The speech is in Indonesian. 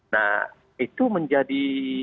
nah itu menjadi